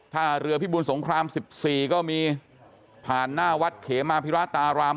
ถ้าเรือพิบุรณสงครามสิบสี่ก็มีผ่านหน้าวัดเขมาภิราษฎราม